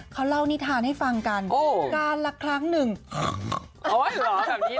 เขาเล่านี่ทานให้ฟังกันโอ้ละครั้งหนึ่งเอาไว้เหรอแบบนี้เหรอ